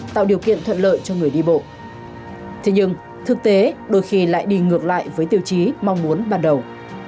tạo điều kiện thuận lợi cho người đi bộ thế nhưng thực tế đôi khi lại đi ngược lại với tiêu chí mong muốn ban đầu